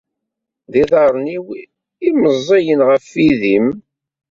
D iḍarren-iw i imeẓẓiyen ɣef wid-im.